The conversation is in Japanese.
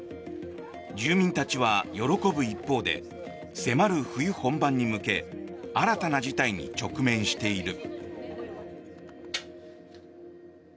住民たちは喜ぶ一方で迫る冬本番に向け新たな事態に直面している。